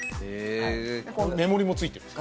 目盛りも付いてるんです。